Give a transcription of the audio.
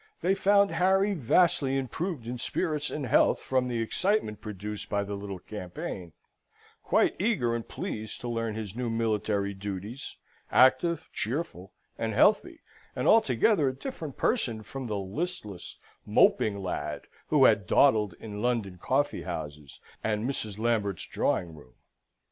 They found Harry vastly improved in spirits and health from the excitement produced by the little campaign, quite eager and pleased to learn his new military duties, active, cheerful, and healthy, and altogether a different person from the listless moping lad who had dawdled in London coffee houses and Mrs. Lambert's drawing room.